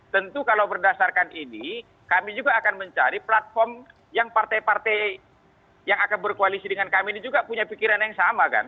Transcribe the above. tentu kalau berdasarkan ini kami juga akan mencari platform yang partai partai yang akan berkoalisi dengan kami ini juga punya pikiran yang sama kan